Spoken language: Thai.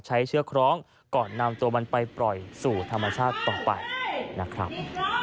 เชือกคล้องก่อนนำตัวมันไปปล่อยสู่ธรรมชาติต่อไปนะครับ